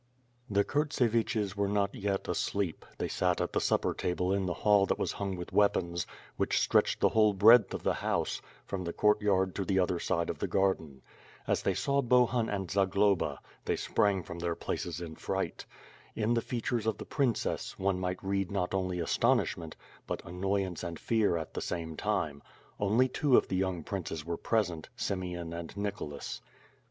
The Kurtseviches were not yet asleep; they sat at the supper table in the hall that was hung with weapons, which ritretched the whole breadth of the house, from the court yard to the other side of the garden. As they saw Bohun and Zagloba, they sprang from their places in affright. In the features of the princess, one might read not only aston ishment, but annoyance and fear at the same time. Only two of the young princes were present, Simeon and Nicholas.